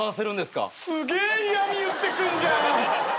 すげえ嫌み言ってくんじゃん！